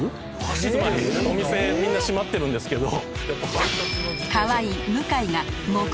お店みんな閉まってるんですけど。